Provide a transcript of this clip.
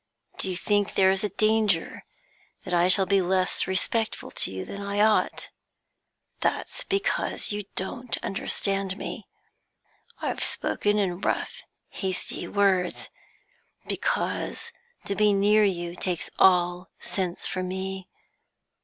Do you think there is a danger that I should be less respectful to you than I ought? That's because you don't understand me. I've spoken in rough, hasty words, because to be near you takes all sense from me.